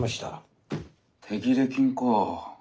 手切れ金か。